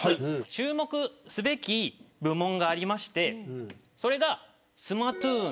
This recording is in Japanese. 注目すべき部門があってそれがスマトゥーン。